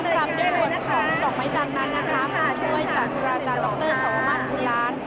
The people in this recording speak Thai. สำหรับที่ส่วนของดอกไม้จันทร์นั้นช่วยศาสตราจันทร์ดรสวมรรณคุณร้าน